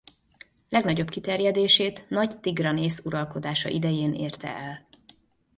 Legnagyobb kiterjedését Nagy Tigranész uralkodása idején érte el.